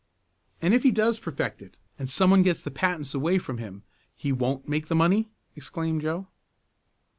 "And if he does perfect it, and some one gets the patents away from him, he won't make the money!" exclaimed Joe.